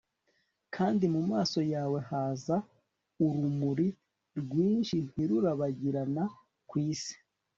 Kandi mumaso yawe haza urumuri rwinshintirurabagirana kwisi